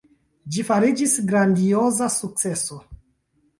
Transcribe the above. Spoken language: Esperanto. Ĝi fariĝis grandioza sukceso.